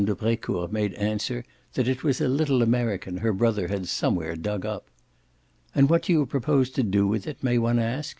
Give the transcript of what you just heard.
de Brecourt made answer that it was a little American her brother had somewhere dug up. "And what do you propose to do with it, may one ask?"